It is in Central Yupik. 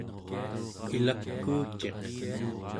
ilakuuciq